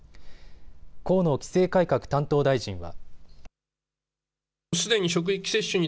河野規制改革担当大臣は。